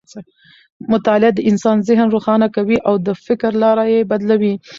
مطالعه د انسان ذهن روښانه کوي او د فکر لاره یې بدلوي.